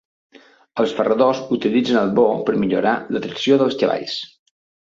Els ferradors utilitzen el bor per millorar la tracció dels cavalls.